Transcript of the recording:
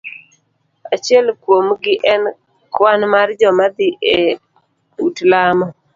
Achiel kuom gi en kwan mar joma dhi e ut lamo.